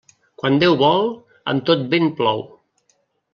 Quan Déu vol, amb tot vent plou.